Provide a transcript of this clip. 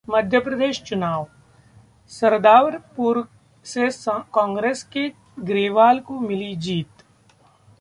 मध्य प्रदेश चुनाव: सरदारपुर से कांग्रेस के ग्रेवाल को मिली जीत